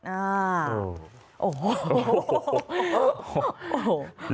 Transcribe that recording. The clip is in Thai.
โอ้โห